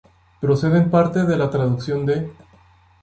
Procede en parte de la traducción de